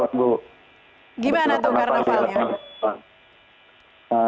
gimana tuh karnavalnya